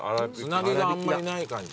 つなぎがあんまりない感じ。